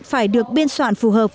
phải được biên soạn phù hợp